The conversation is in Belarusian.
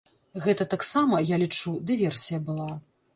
Гэта таксама, я лічу, дыверсія была.